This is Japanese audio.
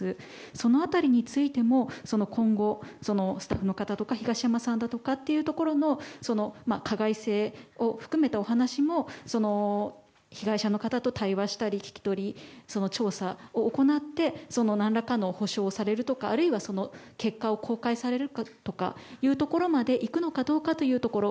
その辺りについては今後、スタッフの方とか東山さんだったりも加害性を含めたお話も被害者の方と対話したり聞き取り調査を行って何らかの補償をされるとかあるいは、結果を公開されるとかいうところまでいくのかどうかというところ。